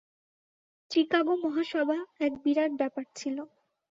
চিকাগো মহাসভা এক বিরাট ব্যাপার ছিল।